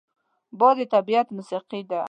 باد د طبیعت موسیقي ده